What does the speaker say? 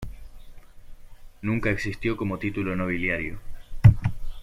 Nunca existió como título nobiliario.